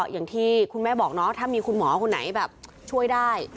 อย่างที่คุณแม่บอกเนาะถ้ามีคุณหมอคนไหนแบบช่วยได้